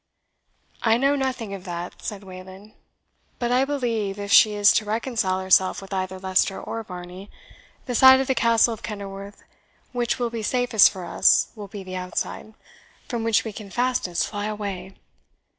"I know nothing of that," said Wayland; "but I believe, if she is to reconcile herself with either Leicester or Varney, the side of the Castle of Kenilworth which will be safest for us will be the outside, from which we can fastest fly away.